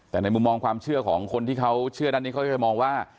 แต่ในมุมมองความเชื่อของคนที่เขาเชื่อด้านนี้เขาจะมองว่า